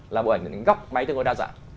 là bộ ảnh góc máy tương ối đa dạng